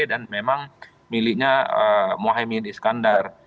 dan memang miliknya mohamed iskandar